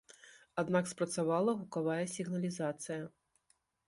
Аднак спрацавала гукавая сігналізацыя.